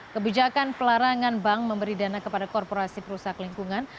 kebijakan pelarangan bank memberi dana kepada korporasi perusahaan lingkungan